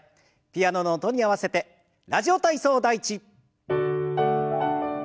ピアノの音に合わせて「ラジオ体操第１」。